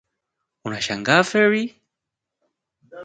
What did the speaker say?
unashangaa feri?